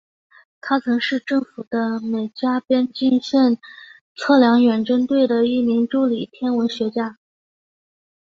他曾是政府的美加边境线测量远征队的一名助理天文学家。